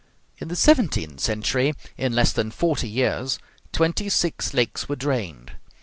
In the seventeenth century, in less than forty years, twenty six lakes were drained.